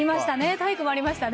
体育もありましたね。